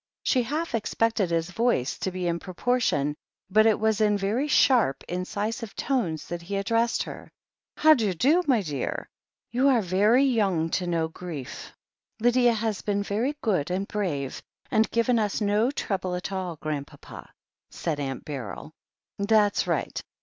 She half expected his voice to be in proportion, but it was in very sharp, incisive tones that he addressed her: "How d'y do, my dear? You are very young to know grief." "Lydia has been very good and brave, and given us no trouble at all. Grandpapa," said Aunt Beryl. "That's right.